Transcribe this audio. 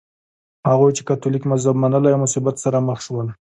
هغوی چې کاتولیک مذهب منلی و مصیبت سره مخ شول.